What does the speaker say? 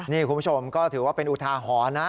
นี่คุณผู้ชมก็ถือว่าเป็นอุทาหรณ์นะ